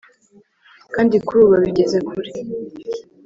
kandi kuri ubu babigeze kure